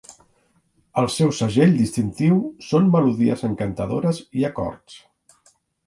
El seu segell distintiu són melodies encantadores i acords.